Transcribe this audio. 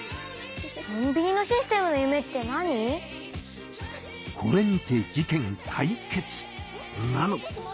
コンビニのシステムのゆめって何⁉これにて事件解決なのか？